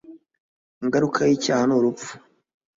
Ingaruka yicyaha nurupfu